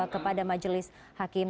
kepada majelis hakim